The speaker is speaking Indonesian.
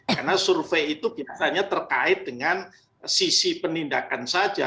karena survei itu biasanya terkait dengan sisi penindakan saja